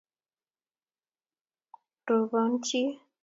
rubon chi